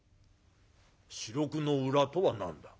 「『四六の裏』とは何だ？」。